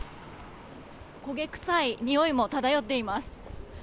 焦げ臭いにおいも漂っています。